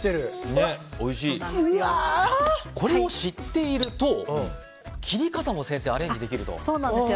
これを知っていると切り方もアレンジできると。